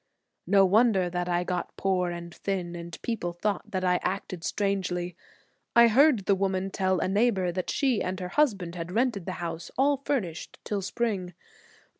No wonder that I got poor and thin and people thought that I acted strangely. I heard the woman tell a neighbor that she and her husband had rented the house, all furnished, till spring.